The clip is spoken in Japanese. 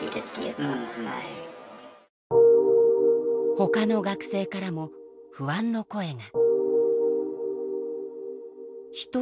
ほかの学生からも不安の声が。